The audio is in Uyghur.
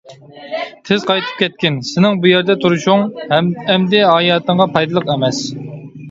تېز قايتىپ كەتكىن، سېنىڭ بۇ يەردە تۇرۇشۇڭ ئەمدى ھاياتىڭغا پايدىلىق ئەمەس.